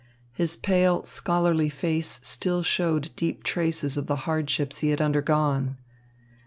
His pale scholarly face still showed deep traces of the hardships he had undergone.